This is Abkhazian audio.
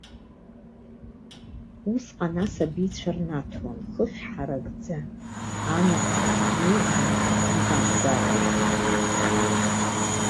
Усҟан асабицәа рнаҭуан, хыхь ҳаракӡа, анаҟә иаԥну раҳҭын-баагәараҿы.